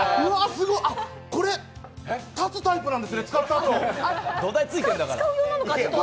すごい、立つタイプなんですね、使ったあと。